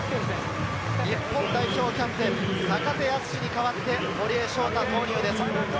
日本代表キャプテン・坂手淳史に代わって堀江翔太投入です。